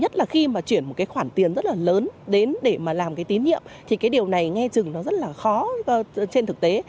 thì cái điều này nghe chừng nó rất là khó trên thực tế